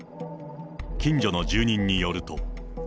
近所の住人によると。